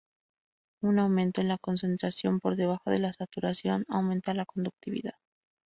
Un aumento en la concentración por debajo de la saturación aumenta la conductividad.